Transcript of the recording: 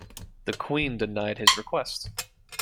The Queen denied his request.